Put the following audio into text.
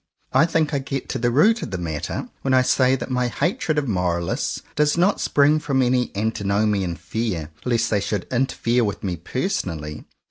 I think I get to the root of the matter when I say that my hatred of Moralists does not spring from any antinomian fear lest they should interfere with me personally.